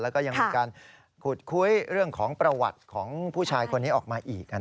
แล้วก็ยังมีการขุดคุยเรื่องของประวัติของผู้ชายคนนี้ออกมาอีก